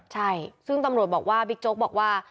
ใช่ซึ่งตำรวจบอกว่าบิ๊กโจ๊กบอกว่า